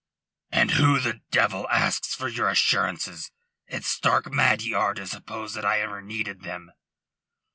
"And who the devil asks for your assurances? It's stark mad ye are to suppose that I ever needed them."